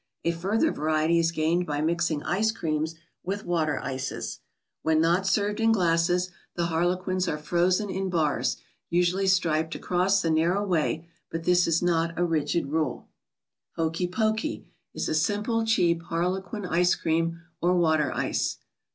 A further variety is gained by mixing ice creams with water ices. When not served in glasses the Harlequins are frozen in bars, usually striped across the narrow way but this is not a rigid rule. ICE CREA MS. 3i HOKEY POKEY is a simple, cheap Harlequin ice¬ cream, or water ice.